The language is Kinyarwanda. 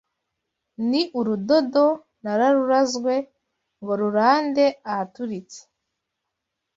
Ni urudodo nararurazwe Ngo rurande ahaturitse